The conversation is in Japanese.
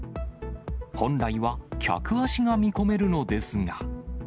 本来は客足が見込めるのですが。